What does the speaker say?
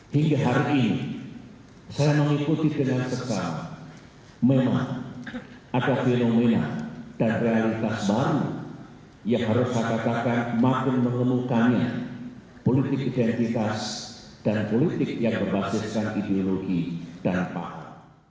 hingga hari ini saya mengikuti dengan tegal memang ada fenomena dan realitas baru yang harus saya katakan mampu menemukannya politik identitas dan politik yang berbasiskan ideologi dan paham